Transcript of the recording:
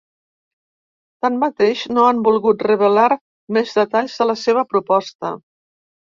Tanmateix, no han volgut revelar més detalls de la seva proposta.